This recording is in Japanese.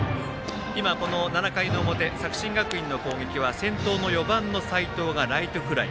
今、７回の表、作新学院の攻撃は先頭の４番の齋藤がライトフライ。